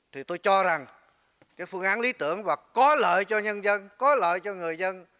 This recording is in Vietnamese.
thì tôi cho rằng cái phương án lý tưởng và có lợi cho nhân dân có lợi cho người dân